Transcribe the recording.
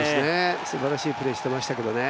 すばらしいプレーしてましたけどね。